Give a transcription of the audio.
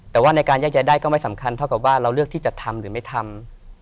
แต่ว่าในการแยกย้ายได้ก็ไม่สำคัญเท่ากับว่าเราเลือกที่จะทำหรือไม่ทำ